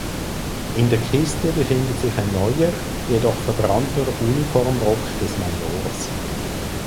In der Kiste befindet sich ein neuer jedoch verbrannter Uniformrock des Majors.